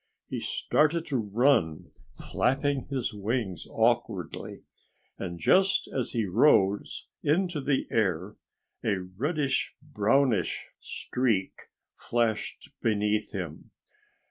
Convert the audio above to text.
He started to run, flapping his wings awkwardly. And just as he rose into the air a reddish, brownish streak flashed beneath him.